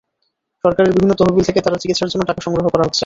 সরকারের বিভিন্ন তহবিল থেকে তার চিকিৎসার জন্য টাকা সংগ্রহ করা হচ্ছে।